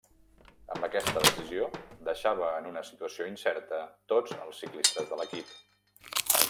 Amb aquesta decisió deixava en una situació incerta tots els ciclistes de l'equip.